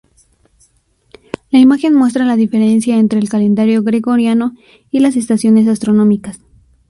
La imagen muestra la diferencia entre el calendario gregoriano y las estaciones astronómicas.